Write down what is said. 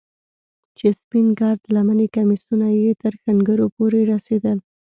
چې سپين گرد لمني کميسونه يې تر ښنگرو پورې رسېدل.